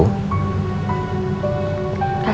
kasih cucu aku